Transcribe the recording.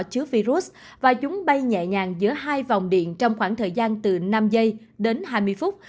chứa virus và chúng bay nhẹ nhàng giữa hai vòng điện trong khoảng thời gian từ năm giây đến hai mươi phút